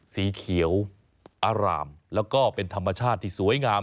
สีเขียวอร่ามแล้วก็เป็นธรรมชาติที่สวยงาม